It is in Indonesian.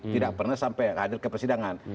tidak pernah sampai hadir ke persidangan